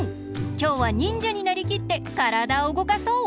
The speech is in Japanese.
きょうはにんじゃになりきってからだをうごかそう！